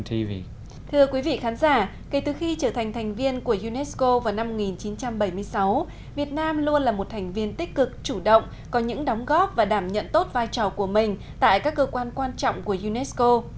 thưa quý vị khán giả kể từ khi trở thành thành viên của unesco vào năm một nghìn chín trăm bảy mươi sáu việt nam luôn là một thành viên tích cực chủ động có những đóng góp và đảm nhận tốt vai trò của mình tại các cơ quan quan trọng của unesco